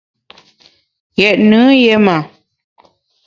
Ghét nùn yé ma.